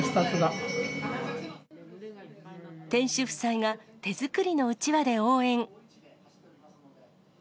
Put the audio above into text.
店主夫妻が、手作りのうちわで応援。